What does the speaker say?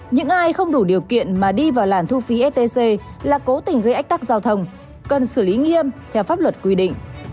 những ai không đủ điều kiện mà đi vào làn thu phí stc là cố tình gây ách tắc giao thông cần xử lý nghiêm theo pháp luật quy định